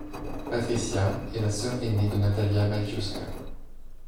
Patrycja est la sœur ainée de Natalia Maliszewska.